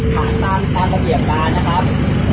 ผ่านมาตามระเบียบการนะครับ